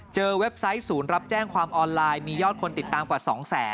เว็บไซต์ศูนย์รับแจ้งความออนไลน์มียอดคนติดตามกว่า๒แสน